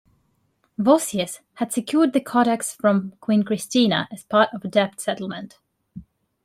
Vossius had secured the codex from Queen Christina as part of a debt settlement.